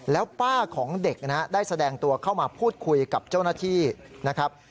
แล้วป้าของเด็กนะฮะได้แสดงตัวเข้ามาพูดคุยกับเจ้าหน้าที่นะครับ